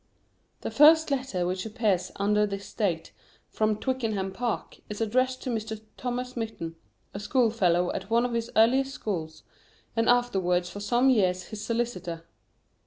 The first letter which appears under this date, from Twickenham Park, is addressed to Mr. Thomas Mitton, a schoolfellow at one of his earliest schools, and afterwards for some years his solicitor.